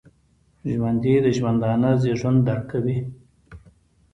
ژوندي د ژوندانه زیږون درک کوي